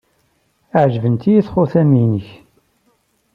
Ɛejbent-iyi txutam-nnek.